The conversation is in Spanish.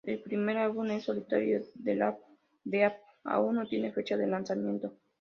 El primer álbum en solitario de apl.de.ap aún no tiene fecha de lanzamiento.